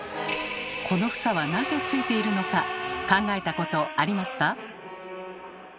この房はなぜついているのか考えたことありますか？